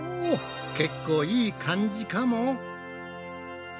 結構いいかんじかも。